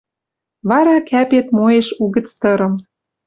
Вара кӓпет моэш угӹц тырым.